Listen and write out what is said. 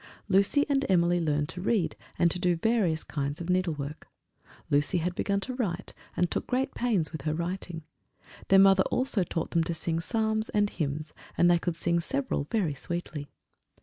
Lucy and Emily learned to read, and to do various kinds of needlework. Lucy had begun to write, and took great pains with her writing; their mother also taught them to sing psalms and hymns, and they could sing several very sweetly.